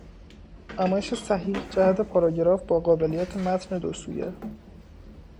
نمایش صحیح جهت پاراگراف با قابلیت متن دوسویه